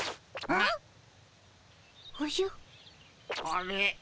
あれ？